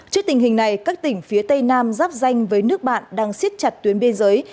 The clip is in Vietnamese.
trước tình hình này các tỉnh phía tây nam giáp danh với nước bạn đang siết chặt tuyến biên giới